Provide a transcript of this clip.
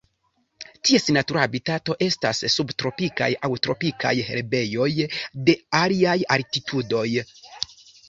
Ties natura habitato estas subtropikaj aŭ tropikaj herbejoj de altaj altitudoj.